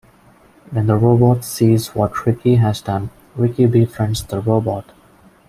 When the robot sees what Ricky has done, Ricky befriends the robot.